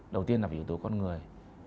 đầu tiên là yếu tố con người